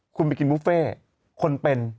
คุณไปกินบุฟเฟ่คนเป็น